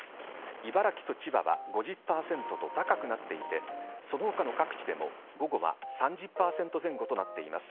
茨城と千葉は５０％と高くなっていてその他の各地でも午後は３０％前後となっています。